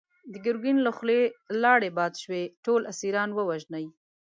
د ګرګين له خولې لاړې باد شوې! ټول اسيران ووژنی!